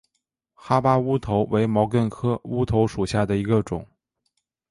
哈巴乌头为毛茛科乌头属下的一个种。